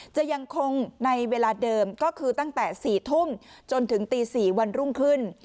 จะยังคงในเวลาเดิมก็คือตั้งแต่๔ทุ่มจนถึงตี๔วันรุ่งขึ้น